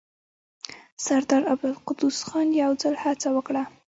سردار عبدالقدوس خان يو ځل هڅه وکړه.